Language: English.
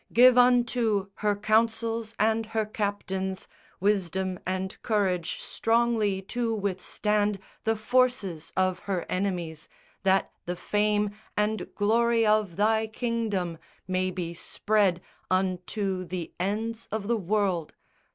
Give unto her councils and her captains Wisdom and courage strongly to withstand The forces of her enemies, that the fame And glory of Thy Kingdom may be spread Unto the ends of the world.